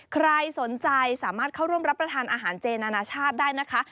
ใครสนใจสามารถเข้าร่วมรับประทานอาหารเจนานาชาติได้นะคะ